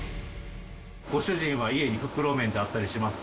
ご主人は家に袋麺ってあったりしますか？